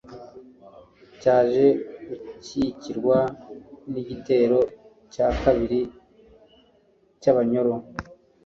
cyaje gukurikirwa n'igitero cya kabiri cy'Abanyoro